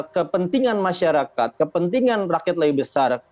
kepentingan masyarakat kepentingan rakyat lebih besar